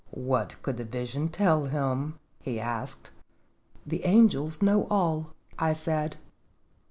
" What could the vision tell him?" he asked. "The angels know all," I said.